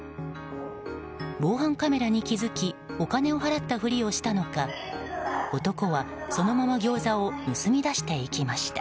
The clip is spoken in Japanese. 防犯カメラに気づきお金を払ったふりをしたのか男はそのままギョーザを盗み出していきました。